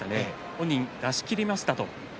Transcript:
本人は出し切りましたと。